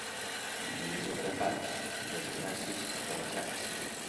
Diners a grapats, desgràcies a cabassats.